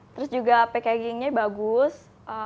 terus juga packaging nya bagus